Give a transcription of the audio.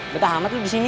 betah hamat lo di sini